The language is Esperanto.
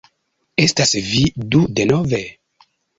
Estas vi du denove?!